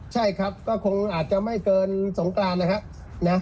ใช่ครับก็คงอาจจะไม่เกินสงกรานนะฮะ